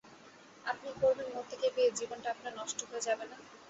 আপনি করবেন মতিকে বিয়ে জীবনটা আপনার নষ্ট হয়ে যাবে না?